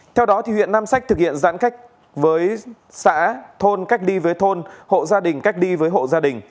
theo đó thì huyện nam sách thực hiện giãn cách với xã thôn cách đi với thôn hộ gia đình cách đi với hộ gia đình